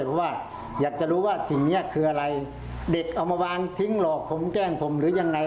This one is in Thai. เพราะว่าอยากจะรู้ว่าสิ่งนี้คืออะไรเด็กเอามาวางทิ้งหลอกผมแกล้งผมหรือยังไง